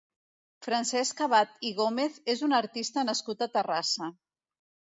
Francesc Abad i Gómez és un artista nascut a Terrassa.